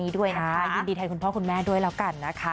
ด้วยกัลกดเองด้วยนะคะ